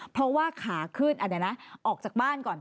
เพราะว่าขาขึ้นออกจากบ้านก่อน